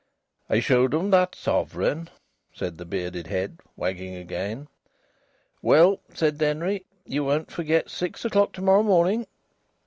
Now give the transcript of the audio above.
"I showed 'em that sovereign," said the bearded head, wagging again. "Well," said Denry, "you won't forget. Six o'clock to morrow morning."